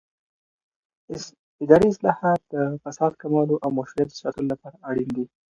اداري اصلاحات د فساد کمولو او مشروعیت د ساتلو لپاره اړین دي